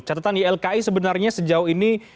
catatan ylki sebenarnya sejauh ini